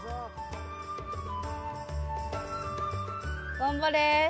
頑張れ。